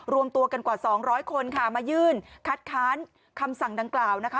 รวมตัวกันกว่า๒๐๐คนค่ะมายื่นคัดค้านคำสั่งดังกล่าวนะคะ